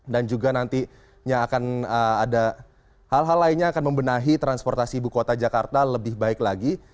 dan juga nantinya akan ada hal hal lainnya akan membenahi transportasi ibu kota jakarta lebih baik lagi